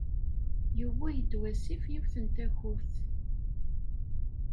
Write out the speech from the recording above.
Yuwey-d wasif yiwet n takurt.